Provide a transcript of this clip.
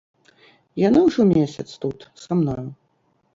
Яна ўжо месяц тут, са мною.